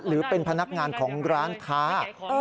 หรือเป็นพนักงานของร้านค้า